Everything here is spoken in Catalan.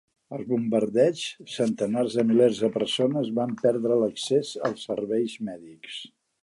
En bombardeigs, centenars de milers de persones van perdre l'accés als serveis mèdics.